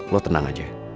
lo tenang aja